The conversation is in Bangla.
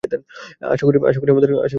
আশা করি আমাদের কোন সমস্যা হবেনা।